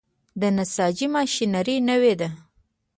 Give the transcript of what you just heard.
د نساجي ماشینري نوې ده؟